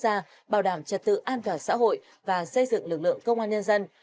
bảo vệ an ninh quốc gia bảo đảm trật tự an toàn xã hội và xây dựng lực lượng công an nhân dân